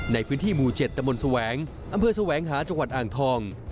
ในพื้นที่หมู่๗ตะมนต์แสวงอำเภอแสวงหาจังหวัดอ่างทอง